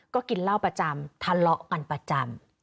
ก็กินเหล้าประจำทะเลาะกันประจำ